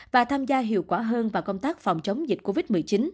và tham gia hiệu quả hơn vào công tác phòng chống dịch covid một mươi chín